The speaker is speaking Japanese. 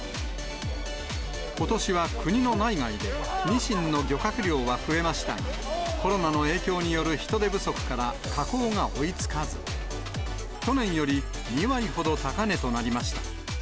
ことしは国の内外でニシンの漁獲量は増えましたが、コロナの影響による人手不足から加工が追いつかず、去年より２割ほど高値となりました。